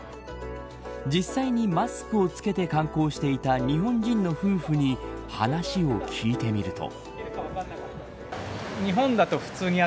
実際にマスクを着けて観光していた日本人の夫婦に話を聞いてみると。